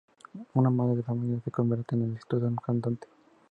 Una madre de familia se convierte en exitosa cantante.